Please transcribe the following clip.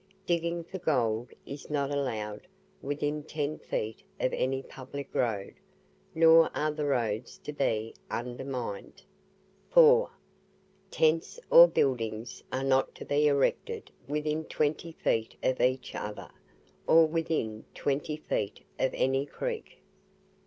Digging for Gold is not allowed within Ten feet of any Public Road, nor are the Roads to be undermined. 4. Tents or buildings are not to be erected within Twenty feet of each other, or within Twenty feet of any Creek.